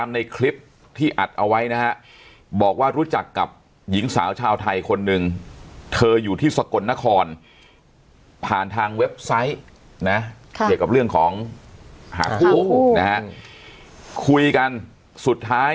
นะเพียบกับเรื่องของหาคู่นะครับคุยกันสุดท้าย